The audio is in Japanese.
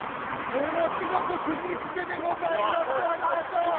ものスゴくくぎ付けでございますありがとう！